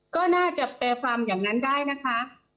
ก็น่าจะแปลความอย่างนั้นได้นะคะ